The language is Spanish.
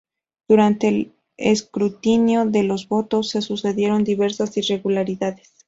Durante el escrutinio de los votos se sucedieron diversas irregularidades.